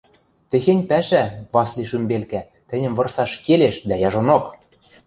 Техень пӓшӓ, Васли шӱмбелкӓ, тӹньӹм вырсаш келеш дӓ яжонок!